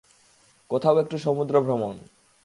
কোথাও একটু সমুদ্রভ্রমন।